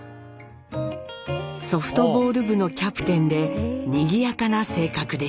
ソフトボール部のキャプテンでにぎやかな性格でした。